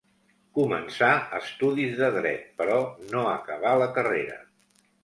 Començà estudis de dret, però no acabà la carrera.